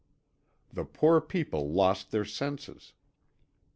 The poor people lost their senses.